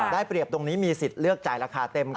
ได้เปรียบตรงนี้มีสิทธิ์เลือกจ่ายราคาเต็ม